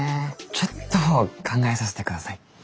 ちょっと考えさせて下さい。